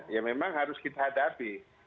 ya memang harus kita hadapi